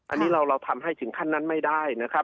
อันนี้เราทำให้ถึงขั้นนั้นไม่ได้นะครับ